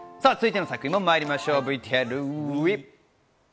続いての作品もまいりましょう、ＶＴＲＷＥ！